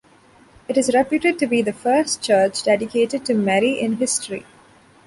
It is reputed to be the first church dedicated to Mary in history.